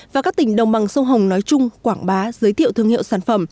và các tỉnh đồng bằng sông hồng nói chung quảng bá giới thiệu thương hiệu sản phẩm